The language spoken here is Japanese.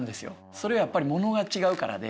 それはやっぱりモノが違うからで。